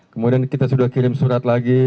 kemudian kita sudah kirim lagi surat